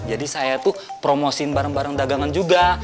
jadi saya tuh promosiin barang barang dagangan juga